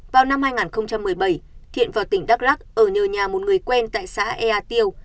vào năm hai nghìn một mươi bảy thiện vào tỉnh đắk lắc ở nhờ nhà một người quen tại xã ea tiêu